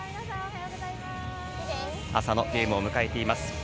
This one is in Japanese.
朝のゲームを迎えています。